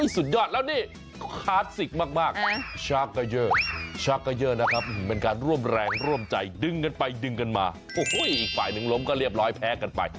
สุดยอดแล้วนี่คลาสสิกมากชักก็เยอะชักก็เยอะนะครับเป็นการร่วมแรงร่วมใจดึงกันไปดึงกันมาโอ้โหอีกฝ่ายหนึ่งล้มก็เรียบร้อยแพ้กันไป